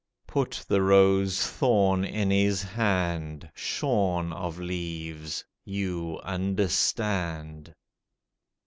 Put the rose thorn in his hand, Shorn of leaves—you understand.